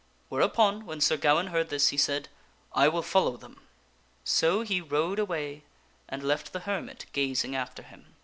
Whereupon, when Sir Gawaine heard this, he said, " I will follow them." So he rode away and left the hermit gazing after him.